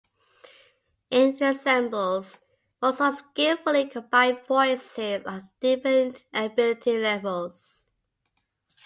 In ensembles, Mozart skillfully combined voices of different ability levels.